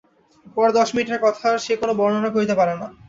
পরের দশ মিনিটের কথার সে কোনো বর্ণনা করিতে পারে না।